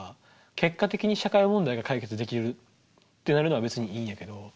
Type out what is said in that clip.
結果的に社会問題が解決できるってなるのは別にいいんやけど。